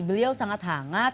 beliau sangat hangat